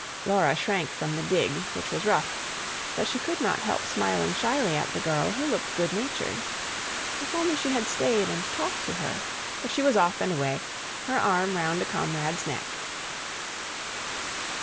Laura shrank from the dig, which was rough; but she could not help smiling shyly at the girl, who looked good natured. If only she had stayed and talked to her! But she was off and away, her arm round a comrade's neck.